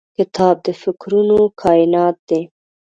کتاب د فکرونو کائنات دی.